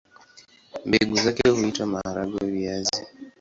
Mbegu zake huitwa maharagwe-viazi.